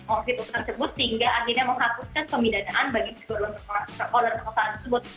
oleh karena itu sehingga akhirnya menghapuskan pemindahan bagi korban perkosaan tersebut